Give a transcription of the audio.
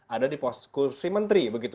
ada di poskursi menteri begitu